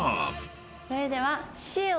それでは。